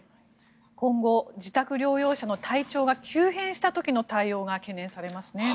今後、自宅療養者の体調が急変した時の対応が懸念されますね。